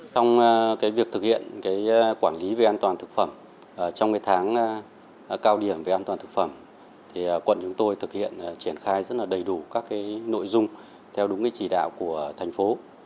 trong việc thực hiện quản lý về an toàn thực phẩm trong tháng cao điểm về an toàn thực phẩm quận chúng tôi thực hiện triển khai rất đầy đủ các nội dung theo đúng chỉ đạo của thành phố